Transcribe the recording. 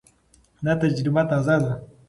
دا تجربه تازه ده.